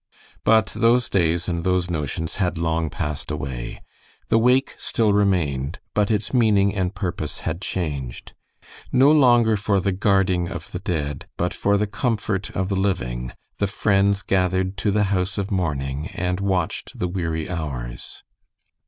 But those days and those notions had long passed away. The wake still remained, but its meaning and purpose had changed. No longer for the guarding of the dead, but for the comfort of the living, the friends gathered to the house of mourning and watched the weary hours.